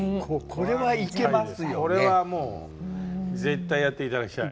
これはもう絶対やって頂きたい。